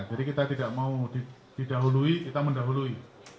jadi kita tidak mau didahului kita mendahului